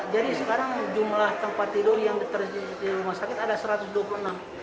jadi sekarang jumlah tempat tidur yang diterima di rumah sakit ada satu ratus dua puluh enam